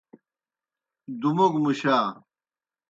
دُوموگوْ مُشا۔